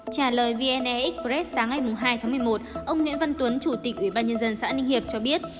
trả lời vn ec press sáng ngày hai tháng một mươi một ông nguyễn văn tuấn chủ tịch ủy ban nhân dân xã ninh hiệp cho biết